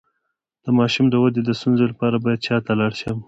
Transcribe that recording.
د ماشوم د ودې د ستونزې لپاره باید چا ته لاړ شم؟